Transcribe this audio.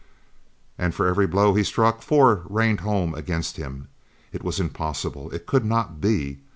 And for every blow he struck four rained home against him. It was impossible! It could not be!